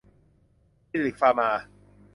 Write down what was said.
ซิลลิคฟาร์มา